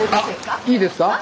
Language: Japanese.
あっいいですか？